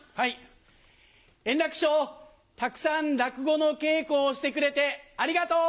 円楽師匠、たくさん落語の稽古をしてくれてありがとう。